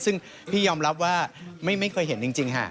ซึ่งพี่ยอมรับว่าไม่เคยเห็นจริงค่ะ